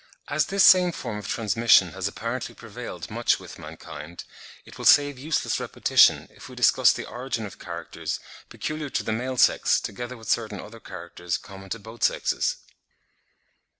As this same form of transmission has apparently prevailed much with mankind, it will save useless repetition if we discuss the origin of characters peculiar to the male sex together with certain other characters common to both sexes.